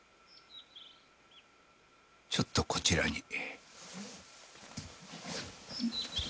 ちょっとこちらに。